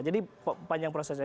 jadi panjang prosesnya